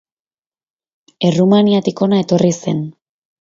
Errumaniatik hona etorri zen.